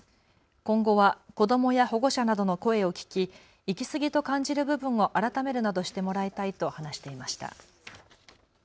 今後は子どもや保護者などの声を聞き、行きすぎと感じる部分を改めるなどしてもらいたいと話していました。